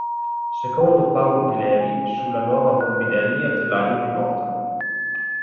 Secondo Paolo Pileri sulla nuova Morbidelli a telaio Bimota.